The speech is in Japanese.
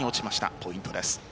ポイントです。